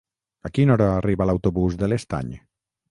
A quina hora arriba l'autobús de l'Estany?